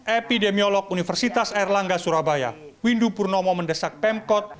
epidemiolog universitas erlangga surabaya windu purnomo mendesak pemkot